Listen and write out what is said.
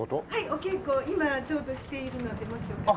お稽古を今ちょうどしているのでもし良かったら。